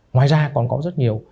ngoài ra còn có rất nhiều